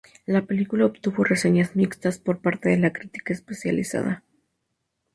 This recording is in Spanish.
La película obtuvo reseñas mixtas por parte de la crítica especializada.